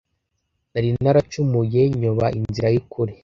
nari naracumuye, nyoba inzira y'ukuri